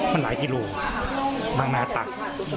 มันหลายที่หลู่บางหน้าตัก